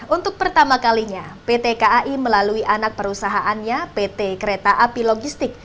untuk pertama kalinya pt kai melalui anak perusahaannya pt kereta api logistik